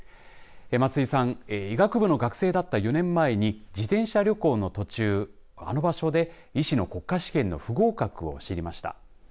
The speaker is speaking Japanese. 松井さん医学部の学生だった４年前に自転車旅行の途中あの場所で医師の国家試験の不合格を知りました。